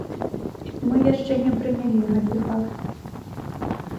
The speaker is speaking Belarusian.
Мы яшчэ не прынялі гэты факт.